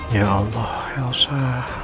ya allah elsa